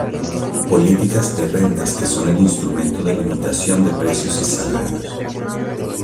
Políticas de rentas que son el instrumento de limitación de precios y salarios.